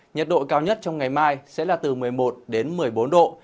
nhiệt độ cao nhất trong ngày mai sẽ là từ một mươi một đến một mươi bốn độ